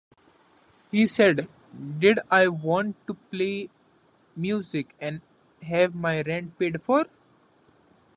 He said, Did I want to play music and have my rent paid for?